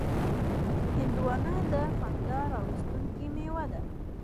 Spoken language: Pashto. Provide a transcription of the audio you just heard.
هندوانه د خندا راوستونکې میوه ده.